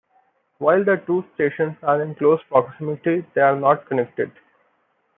While the two stations are in close proximity, they are not connected.